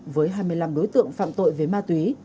với hai mươi năm đối tượng phạm tội về ma túy